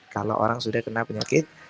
kalau orang sudah kena penyakit